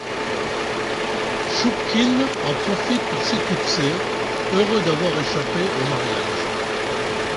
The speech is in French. Chtchoupkine en profite pour s’éclipser, heureux d'avoir échappé au mariage.